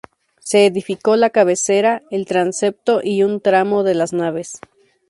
Se edificó la cabecera, el transepto y un tramo de las naves.